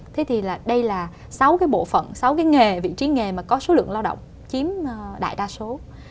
thế thì đây là sáu cái bộ phận sáu cái nghề vị trí nghề mà có số lượng lao động chiếm đại đa số